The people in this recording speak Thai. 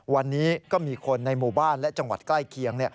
วันนี้ก็มีคนในหมู่บ้านและจังหวัดใกล้เคียง